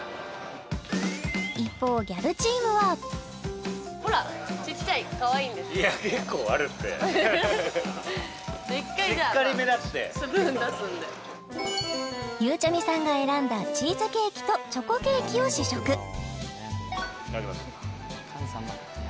スープン出すのでしっかりめだってゆうちゃみさんが選んだチーズケーキとチョコケーキを試食いただきます